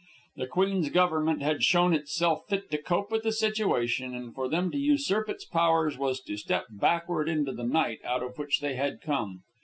The Queen's government had shown itself fit to cope with the situation, and for them to usurp its powers was to step backward into the night out of which they had come.